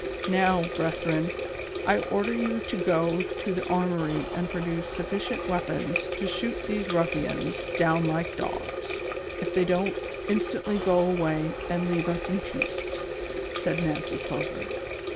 Now, brethren, I order you to go to the armory and produce sufficient weapons to slioot these ruffians down like dogs, if they don't instantly go away and leave us in peace," said iSTancy Clover.